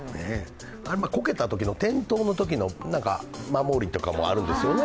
こけたときの転倒のときの守りとかもあるんですよね。